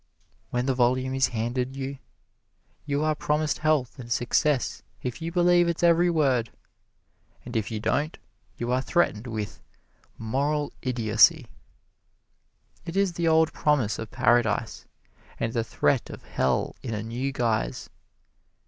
When the volume is handed you, you are promised health and success if you believe its every word; and if you don't, you are threatened with "moral idiocy." It is the old promise of Paradise and the threat of Hell in a new guise.